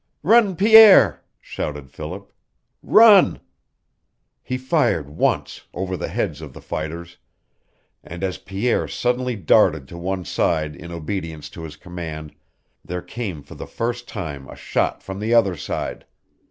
"Run, Pierre!" shouted Philip. "Run " He fired once, over the heads of the fighters, and as Pierre suddenly darted to one side in obedience to his command there came for the first time a shot from the other side.